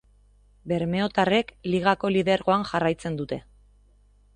Bermeotarrek ligako lidergoan jarraitzen dute.